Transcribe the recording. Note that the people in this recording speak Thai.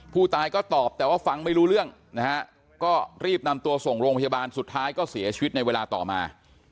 ผู้ตายก็ตอบแต่ว่าฟังไม่รู้เรื่องนะฮะก็รีบนำตัวส่งโรงพยาบาลสุดท้ายก็เสียชีวิตในเวลาต่อมา